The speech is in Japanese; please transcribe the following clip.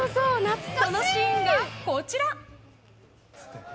そのシーンが、こちら。